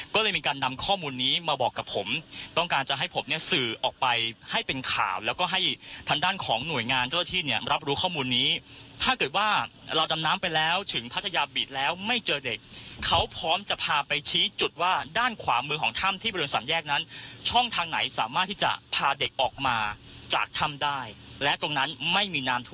ก็เลยมีการนำข้อมูลนี้มาบอกกับผมต้องการจะให้ผมเนี่ยสื่อออกไปให้เป็นข่าวแล้วก็ให้ทางด้านของหน่วยงานเจ้าที่เนี่ยรับรู้ข้อมูลนี้ถ้าเกิดว่าเราดำน้ำไปแล้วถึงพัทยาบีดแล้วไม่เจอเด็กเขาพร้อมจะพาไปชี้จุดว่าด้านขวามือของถ้ำที่บริเวณสามแยกนั้นช่องทางไหนสามารถที่จะพาเด็กออกมาจากถ้ำได้และตรงนั้นไม่มีน้ำ